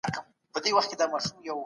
استاد زیار د موضوع مخینې ته اشاره وکړه.